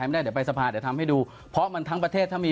ไม่แต่ฟังเขาฟังขึ้นบ้างไหมที่